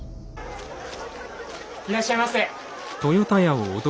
いらっしゃいませ。